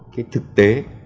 cái thực tế